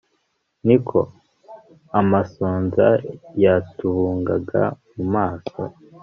ni ko amasonza yatubungaga mu maso